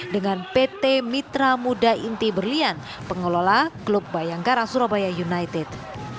dengan pt mitra muda inti berlian pengelola klub bayangkara surabaya united